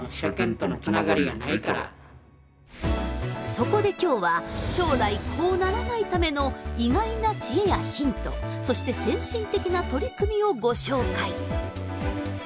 そこで今日は将来こうならないための意外な知恵やヒントそして先進的な取り組みをご紹介！